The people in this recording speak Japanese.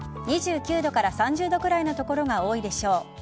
２９度から３０度くらいの所が多いでしょう。